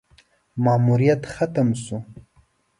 ماموریت ختم شو: